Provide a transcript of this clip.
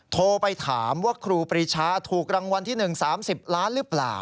โทรไปถามว่าครูปรีชาถูกรางวัลที่๑๓๐ล้านหรือเปล่า